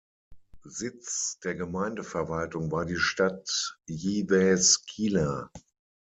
Sitz der Gemeindeverwaltung war die Stadt Jyväskylä.